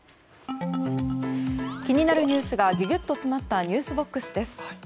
気になるニュースがギュギュッと詰まったｎｅｗｓＢＯＸです。